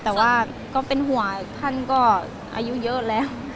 แต่ว่าก็เป็นห่วงท่านก็อายุเยอะแล้ว